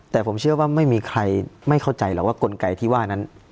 แต่ผมเชื่อว่าไม่มีใครไม่เข้าใจหรอกว่ากลไกที่ว่านั้น